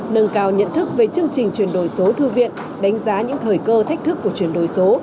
nâng cao nhận thức về chương trình chuyển đổi số thư viện đánh giá những thời cơ thách thức của chuyển đổi số